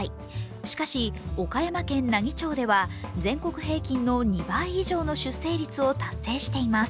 しかし、岡山県奈義町では全国平均の２倍以上の出生率を達成しています。